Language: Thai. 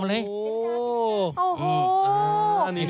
หันหน้าให้กล้องนะ